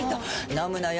飲むのよ